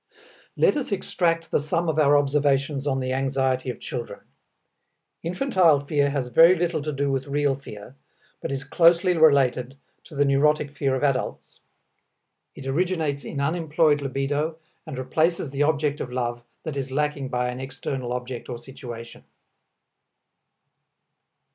Let us extract the sum of our observations on the anxiety of children: Infantile fear has very little to do with real fear, but is closely related to the neurotic fear of adults. It originates in unemployed libido and replaces the object of love that is lacking by an external object or situation.